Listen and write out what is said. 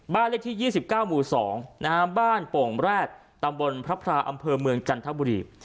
เลขที่๒๙หมู่๒บ้านโป่งแรดตำบลพระพราอำเภอเมืองจันทบุรี